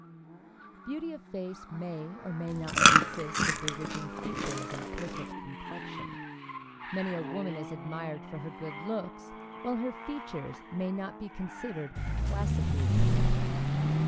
Beauty of face may or may not consist of bewitching features and perfect complexion; many a woman is admired for her good looks while her features may not be considered classically correct.